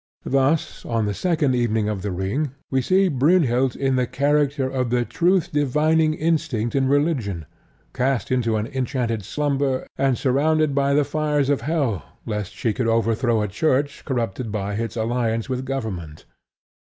Thus on the second evening of The Ring we see Brynhild in the character of the truth divining instinct in religion, cast into an enchanted slumber and surrounded by the fires of hell lest she should overthrow a Church corrupted by its alliance with government.